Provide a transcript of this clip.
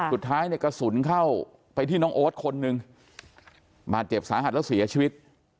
สุดท้ายเนี่ยกระสุนเข้าไปที่น้องโอ๊ตคนหนึ่งบาดเจ็บสาหัสแล้วเสียชีวิต